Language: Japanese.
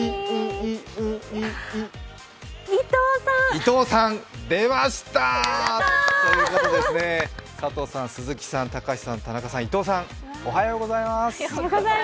伊藤さん。出ましたー。ということで佐藤さん、鈴木さん、高橋さん、田中さん伊藤さん、おはようございます。